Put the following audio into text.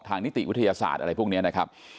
นิติวิทยาศาสตร์อะไรพวกนี้นะครับ